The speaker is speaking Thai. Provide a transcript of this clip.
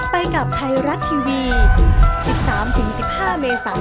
ไปกับไทรัติทีวี๑๓๑๕เมษายนนี้ทุกช่วงข่าว